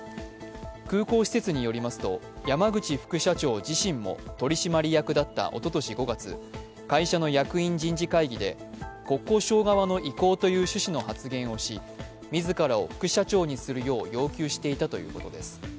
空港施設によりますと、山口副社長自身も取締役だったおととし５月、会社の役員人事会議で国交省側の意向という趣旨の発言をし、自らを副社長にするよう要求していたということです。